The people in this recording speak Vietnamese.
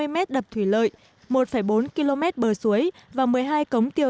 một trăm năm mươi m đập thủy lợi một bốn km bờ suối và một mươi hai cống tiêu